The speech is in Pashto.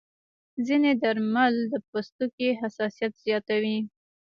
ځینې درمل د پوستکي حساسیت زیاتوي.